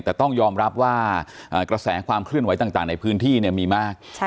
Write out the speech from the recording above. แต่ต้องยอมรับว่ากระแสความเคลื่อนไหวต่างในพื้นที่มีมาก